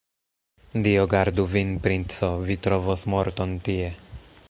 Dio gardu vin, princo, vi trovos morton tie!